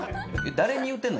誰に向けて言うてんの？